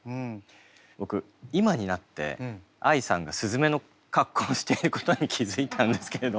僕今になってあいさんが鈴芽の格好をしていることに気付いたんですけれども。